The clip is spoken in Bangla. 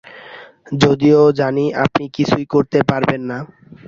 যদিও জানি আপনি কিছুই করতে পারবেন না।